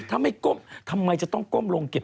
ถ้าไม่ก้มทำไมจะต้องก้มลงเก็บ